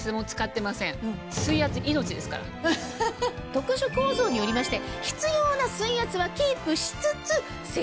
特殊構造によりまして。